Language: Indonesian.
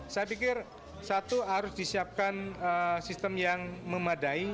saya pikir satu harus disiapkan sistem yang memadai